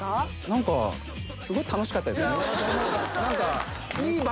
何かすごい楽しかったですね。